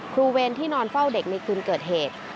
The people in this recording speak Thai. เวรที่นอนเฝ้าเด็กในคืนเกิดเหตุ